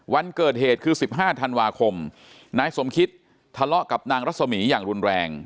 วันเกิดเหตุคือ๑๕ธันวาคมนายสมคิตทะเลาะกับนางรัศมีอย่างรุนแรง